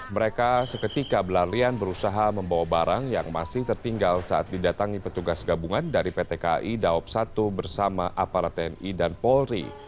mereka seketika belarian berusaha membawa barang yang masih tertinggal saat didatangi petugas gabungan dari pt kai daop satu bersama aparat tni dan polri